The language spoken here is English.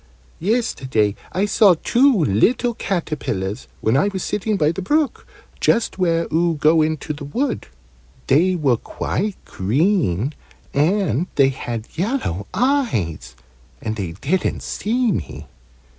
"Yesterday I saw two little caterpillars, when I was sitting by the brook, just where oo go into the wood. They were quite green, and they had yellow eyes, and they didn't see me.